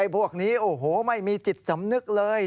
พวกนี้โอ้โหไม่มีจิตสำนึกเลย